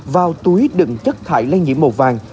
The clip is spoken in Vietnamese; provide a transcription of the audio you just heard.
vào túi đựng chất thải lây nhiễm màu vàng